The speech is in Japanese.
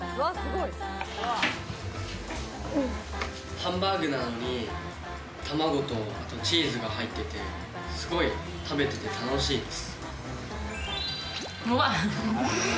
ハンバーグなのに卵とチーズが入っていて、食べていて楽しいです。